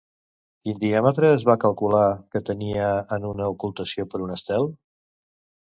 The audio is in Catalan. Quin diàmetre es va calcular que tenia en una ocultació per un estel?